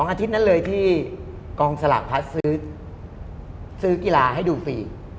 อาทิตย์นั้นเลยที่กองสลากพัดซื้อกีฬาให้ดูฟรี